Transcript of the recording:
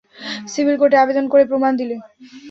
Civil কোর্টে আবেদন করে, প্রমাণ দিলে।